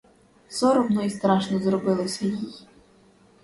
Соромно і страшно зробилося їй.